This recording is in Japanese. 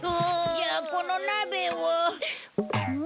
じゃあこの鍋を。